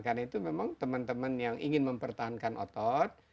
karena itu memang teman teman yang ingin mempertahankan otot